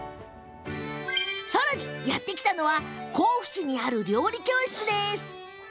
さらにやって来たのは甲府市にある料理教室。